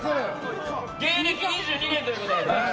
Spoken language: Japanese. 芸歴２２年ということで。